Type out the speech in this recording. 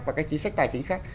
và các chính sách tài chính khác